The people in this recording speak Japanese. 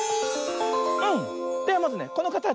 ではまずねこのかたち。